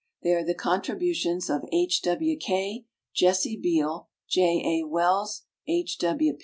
They are the contributions of H. W. K., Jessie Beal, J. A. Wells, H.